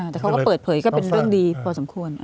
แต่เขาก็เปิดเผยก็เป็นเรื่องดีพอสมควร